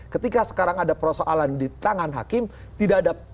ketika sekarang ada persoalan di tangan hakim tidak ada